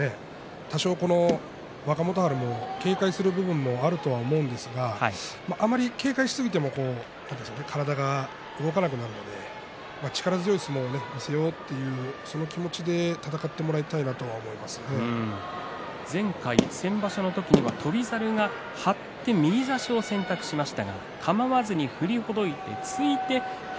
多少、若元春も警戒してる部分もあると思うんですがあまり警戒しすぎても体が動かなくなるので力強い相撲を見せようというその気持ちで戦ってもらいたいな先場所は翔猿は張って右差しを選択しました。